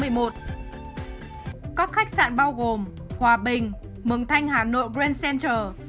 các khách sạn bao gồm hòa bình mường thanh hà nội brand center